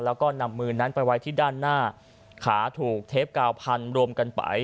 แล้วก็นำมือนั้นไปไว้ที่ด้านหน้าขาถูกเทปกาวพันรวมกันไป